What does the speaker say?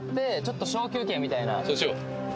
そうしよう